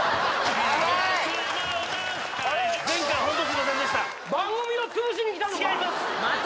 前回はホントすいませんでしたまた？